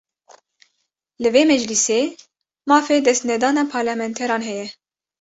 Li vê meclîsê, mafê destnedana parlementeran heye